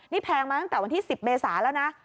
นี่แพงมาตั้งแต่วันที่๑๐เมษาแล้วนะ